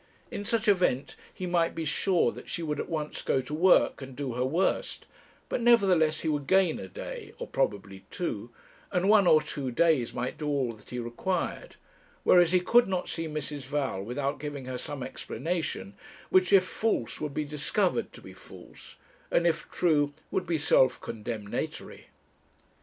In such event he might be sure that she would at once go to work and do her worst; but, nevertheless, he would gain a day, or probably two, and one or two days might do all that he required; whereas he could not see Mrs. Val without giving her some explanation, which if false would be discovered to be false, and if true would be self condemnatory.